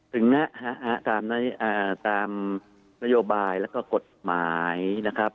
ตามนโยบายแล้วก็กฎหมายนะครับ